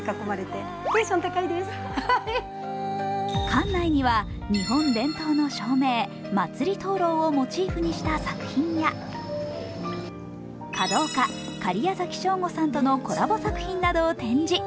館内には日本伝統の照明祭り灯籠をモチーフにした作品や華道家・假屋崎省吾さんとのコラボ作品などを展示。